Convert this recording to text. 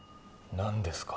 何ですか？